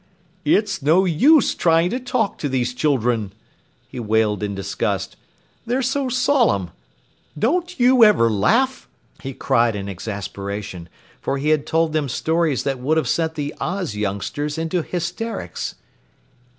"It's no use trying to talk to these children," he wailed in disgust, "they're so solemn. Don't you ever laugh?" he cried in exasperation, for he had told them stories that would have sent the Oz youngsters into hysterics.